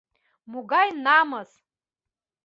Могай намыс...